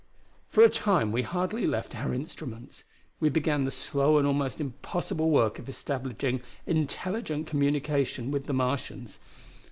"For a time we hardly left our instruments. We began the slow and almost impossible work of establishing intelligent communication with the Martians.